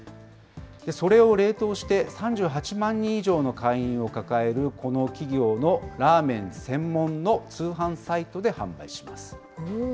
それを冷凍して、３８万人以上の会員を抱えるこの企業のラーメン専門の通販サイトで販売します。